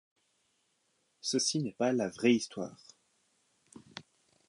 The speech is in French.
Ceci n’est pas la vraie Histoire…